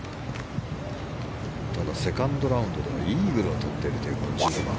ただ、セカンドラウンドではイーグルを取っているというこの１５番。